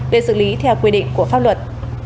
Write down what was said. quy định của pháp luật